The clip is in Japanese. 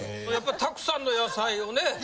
たくさんの野菜をね